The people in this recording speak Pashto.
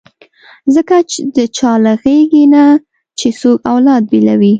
ځکه د چا له غېږې نه چې څوک اولاد بېلوي.